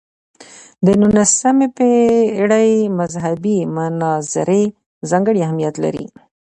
د نولسمې پېړۍ مذهبي مناظرې ځانګړی اهمیت لري.